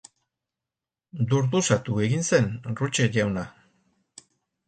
Durduzatu egin zen Ruche jauna.